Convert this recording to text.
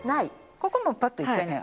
ここもうパッといっちゃいなよ。